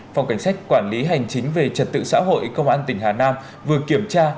phòng cảnh sát quản lý hành chính về trật tự xã hội công an tỉnh hà nam vừa kiểm tra